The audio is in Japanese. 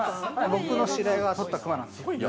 僕の知り合いがとったクマなんですよ。